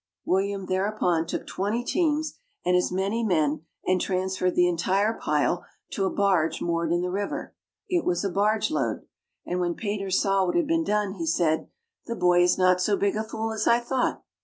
William thereupon took twenty teams and as many men, and transferred the entire pile to a barge moored in the river. It was a barge load. And when pater saw what had been done, he said, "The boy is not so big a fool as I thought."